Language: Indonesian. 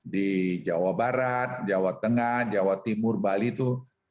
di jawa barat jawa tengah jawa timur bali itu